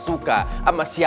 suka sama tidak suka